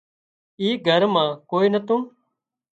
اي گھر مان ڪوئي نتون